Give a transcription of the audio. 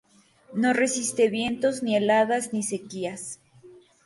No resiste vientos ni heladas ni sequías.